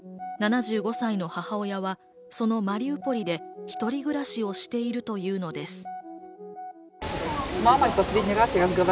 ７５歳の母親はそのマリウポリで一人暮らしをしているというのです。